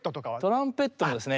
トランペットもですね